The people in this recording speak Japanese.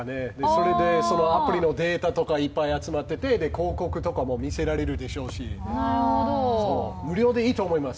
それで、そのアプリのデータとかいっぱい集まって広告とかも見せられるでしょうし、無料でいいと思います。